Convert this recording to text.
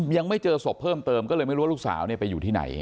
ยังไม่เจอศพเพิ่มเติมก็เลยไม่รู้ว่าลูกสาวไปอยู่ที่ไหน